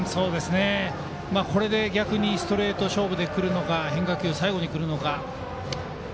これで逆にストレート勝負でくるか変化球、最後に来るのか。